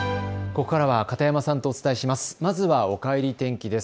ここからは片山さんとお伝えします。